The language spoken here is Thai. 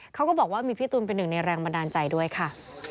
เขาก็บอกว่ามีพี่ตูนเป็นหนึ่งในแรงบันดาลใจด้วยค่ะ